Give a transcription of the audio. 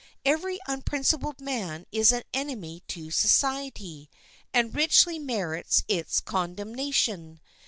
Every unprincipled man is an enemy to society, and richly merits its condemnation.